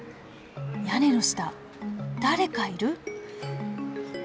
屋根の下誰かいる？